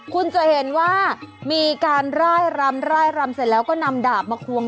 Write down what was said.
คุณจะเห็นว่ามีการร่ายรำร่ายรำเสร็จแล้วก็นำดาบมาควง